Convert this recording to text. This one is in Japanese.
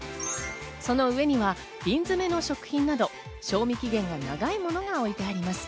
その上には瓶詰めの食品など賞味期限が長いものが置いてあります。